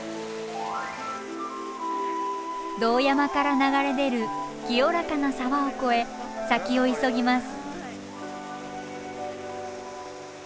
堂山から流れ出る清らかな沢を越え先を急ぎます。